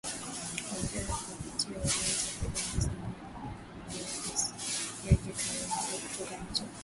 Algeria kuipatia ulaya takribani asilimia kumi na moja ya gesi yake inayoagizwa kutoka nje